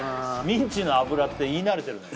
ミンチの脂って言い慣れてるね